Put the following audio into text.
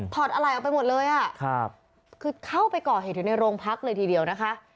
ถอดอะไหลม์ออกไปหมดเลยอะคือเข้าไปก่อเหตุในโรงพักเลยทีเดียวนะคะ